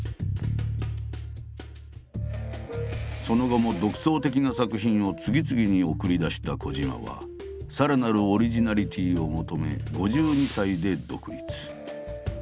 その後も独創的な作品を次々に送り出した小島はさらなるオリジナリティーを求め５２歳で独立。